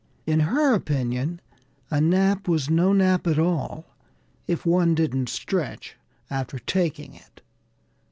In her opinion, a nap was no nap at all if one didn't stretch after taking it.